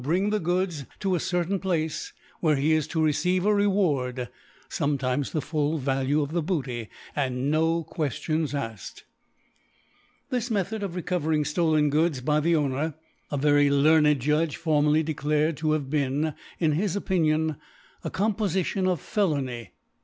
bring the F 5 ' Gaods ( id6 ) Goods to a certain Place where be is to receive a Reward (fornctitnes the full Value of the Booty) and no ^eftiom afred. This Me^ tbod of recovering ftolen Goods by the Own er, a Very learned Judge formerly dedared to have been, in bis Opinion, aCompoHtion of Felony.